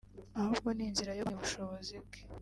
ahubwo ni inzira yo guhamya ubushobozi bwe